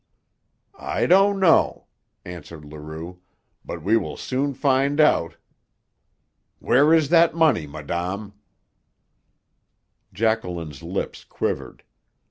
"I don't know," answered Leroux. "But we will soon find out. Where is that money, madame?" Jacqueline's lips quivered.